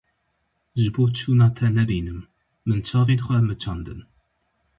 Ji bo çûna te nebînim, min çavên xwe miçandin.